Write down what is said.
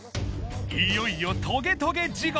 いよいよトゲトゲ地獄。